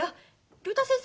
竜太先生。